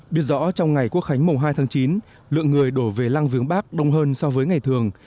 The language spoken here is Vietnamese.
biết rõ trong ngày quốc khánh mùng hai tháng chín lượng người đổ về lăng viếng bắc đông hơn so với ngày thường